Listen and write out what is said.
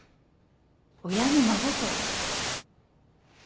親の真心。